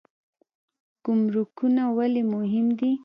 ګمرکونه ولې مهم دي؟